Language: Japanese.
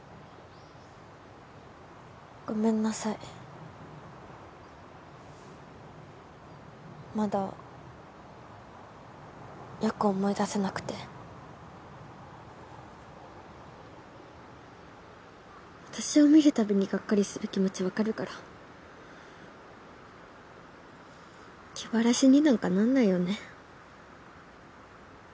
ごめんなさいまだよく思い出せなくて私を見るたびにがっかりする気持ち分かるから気晴らしになんかなんないよね